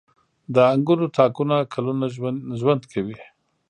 • د انګورو تاکونه کلونه ژوند کوي.